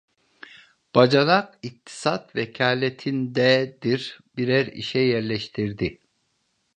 Bacanak İktisat Vekâleti'ndedir, birer işe yerleştirdi.